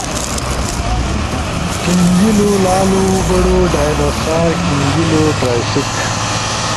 ھینجیلو لالو برو ڈائنوسار[کھنگیلو ٹرائسیک۔